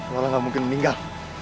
lola gak mungkin meninggal